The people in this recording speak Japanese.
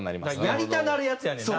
やりたなるやつやねんな。